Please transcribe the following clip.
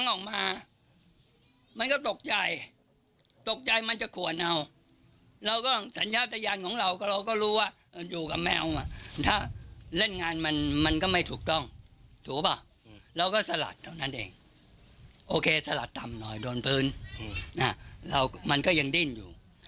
โอเคสลัดต่ำหน่อยโดนพื้นมันก็ยังดิ้นอยู่